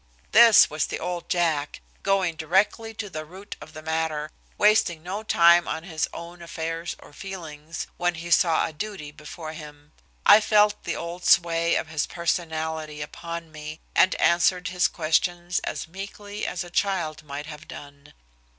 This was the old Jack, going directly to the root of the matter, wasting no time on his own affairs or feelings, when he saw a duty before him. I felt the old sway of his personality upon me, and answered his questions as meekly as a child might have done.